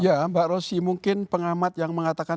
ya mbak rosy mungkin pengamat yang mengatakan